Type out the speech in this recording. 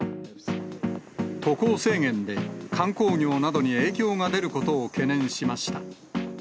渡航制限で、観光業などに影響が出ることを懸念しました。